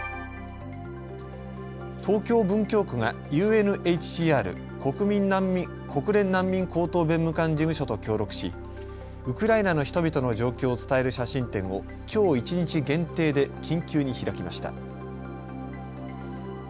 東京文京区がＵＮＨＣＲ・国連難民高等弁務官事務所と協力しウクライナの人々の状況を伝える写真展をきょう一日限定で緊急に開きました。